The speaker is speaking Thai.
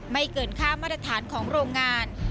ไม่เกินข้ามรัฐฐานของโรงงาน